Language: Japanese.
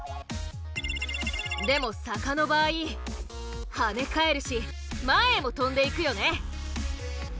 でも坂の場合跳ね返るし前へも飛んでいくよね。